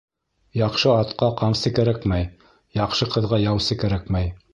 Яҡшы атҡа ҡамсы кәрәкмәй, яҡшы ҡыҙға яусы кәрәкмәй.